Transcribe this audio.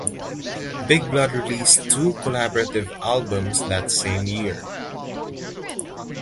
Big Blood released two collaborative albums that same year.